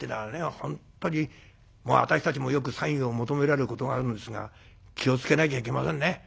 本当に私たちもよくサインを求められることがあるんですが気を付けなきゃいけませんね。